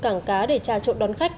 cảng cá để trà trộn đón khách